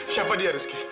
siapa dia rizky